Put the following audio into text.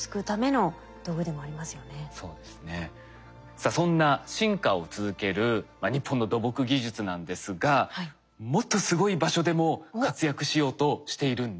さあそんな進化を続ける日本の土木技術なんですがもっとすごい場所でも活躍しようとしているんです。